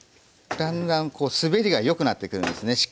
だんだんこう滑りがよくなってくるんですね